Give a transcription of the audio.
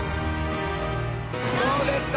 どうですか？